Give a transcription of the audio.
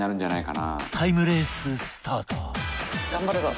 タイムレーススタート頑張るぞ。